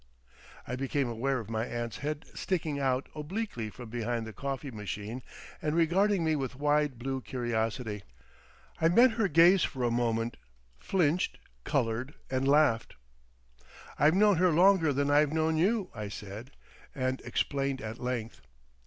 I became aware of my aunt's head sticking out obliquely from behind the coffee machine and regarding me with wide blue curiosity. I met her gaze for a moment, flinched, coloured, and laughed. "I've known her longer than I've known you," I said, and explained at length.